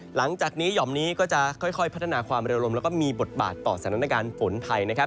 หลังจากนี้หย่อมนี้ก็จะค่อยพัฒนาความเร็วลมแล้วก็มีบทบาทต่อสถานการณ์ฝนไทยนะครับ